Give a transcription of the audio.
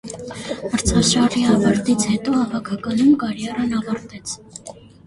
Մրցաշարի ավարտից հետո հավաքականում կարիերան ավարտեց։